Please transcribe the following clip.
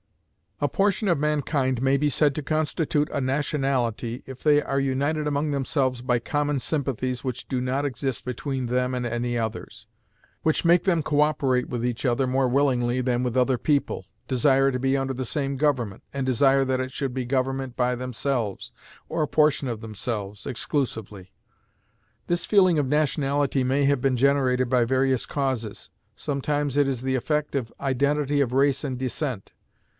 A portion of mankind may be said to constitute a nationality if they are united among themselves by common sympathies which do not exist between them and any others which make them co operate with each other more willingly than with other people, desire to be under the same government, and desire that it should be government by themselves, or a portion of themselves, exclusively. This feeling of nationality may have been generated by various causes. Sometimes it is the effect of identity of race and descent.